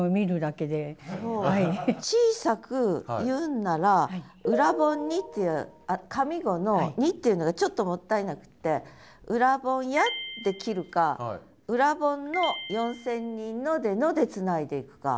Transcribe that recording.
小さく言うんなら「盂蘭盆に」っていう上五の「に」っていうのがちょっともったいなくて「盂蘭盆や」って切るか「盂蘭盆の四千人の」で「の」でつないでいくか。